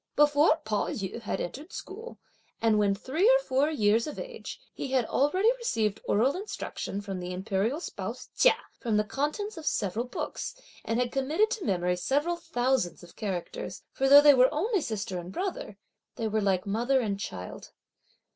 Before Pao yü had entered school, and when three or four years of age, he had already received oral instruction from the imperial spouse Chia from the contents of several books and had committed to memory several thousands of characters, for though they were only sister and brother, they were like mother and child.